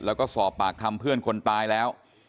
แล้วก็สอบปากคำเพื่อนคนตายแล้ว